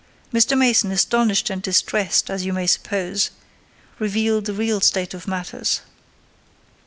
Mr. Mason, astonished and distressed as you may suppose, revealed the real state of matters.